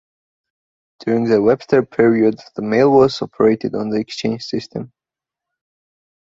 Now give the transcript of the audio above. During the Webster period the mill was operated on the exchange system.